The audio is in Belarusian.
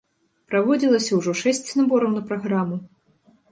Праводзілася ўжо шэсць набораў на праграму.